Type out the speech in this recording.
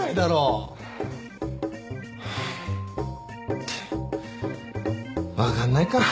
って分かんないか